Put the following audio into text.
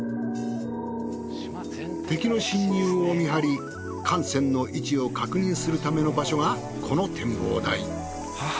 敵の侵入を見張り艦船の位置を確認するための場所がこの展望台。